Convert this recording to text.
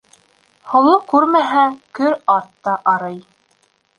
Һоло күрмәһә, көр ат та арый.